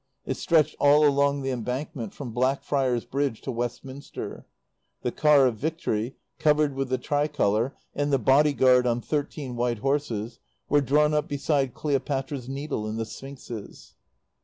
It stretched all along the Embankment from Blackfriar's Bridge to Westminster. The Car of Victory, covered with the tricolour, and the Bodyguard on thirteen white horses were drawn up beside Cleopatra's Needle and the Sphinxes.